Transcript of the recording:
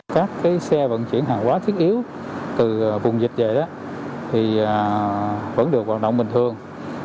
các xe vận chuyển hàng hóa thiết yếu từ vùng dịch về thì vẫn được hoạt động bình thường